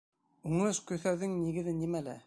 — Уңыш көҫәүҙең нигеҙе нимәлә?